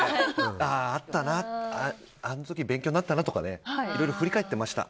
ああ、あったなあの時勉強になったなとかいろいろ振り返っていました。